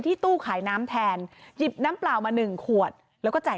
ตู้ขายน้ำแทนหยิบน้ำเปล่ามาหนึ่งขวดแล้วก็จ่าย